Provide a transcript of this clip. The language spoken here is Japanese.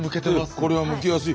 これはむきやすい。